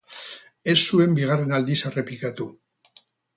Ez zuen bigarren aldiz errepikatu.